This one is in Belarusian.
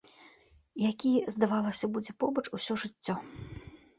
Які, здавалася, будзе побач усё жыццё.